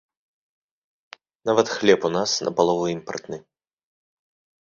Нават хлеб у нас напалову імпартны.